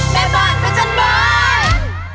แม่บ้านพระจันทร์บ้าน